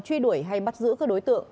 truy đuổi hay bắt giữ các đối tượng